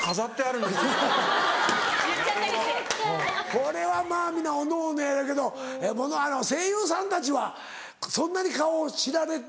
これはまぁ皆おのおのやろうけど声優さんたちはそんなに顔知られて。